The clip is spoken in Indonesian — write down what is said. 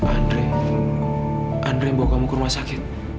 andri andri yang bawa kamu ke rumah sakit